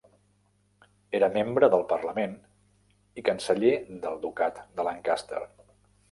Era membre del parlament i canceller del ducat de Lancaster.